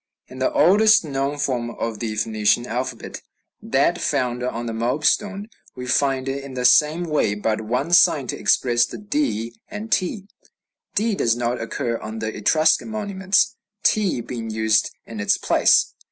In the oldest known form of the Phoenician alphabet, that found on the Moab stone, we find in the same way but one sign to express the d and t. D does not occur on the Etruscan monuments, t being used in its place.